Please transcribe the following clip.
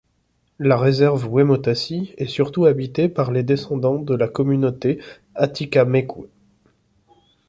La réserve Wemotaci est surtout habitée par les descendants de la communauté Atikamekw.